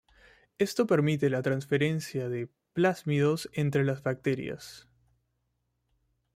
Esto permite la transferencia de plásmidos entre las bacterias.